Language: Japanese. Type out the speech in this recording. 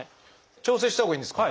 調整したほうがいいんですか？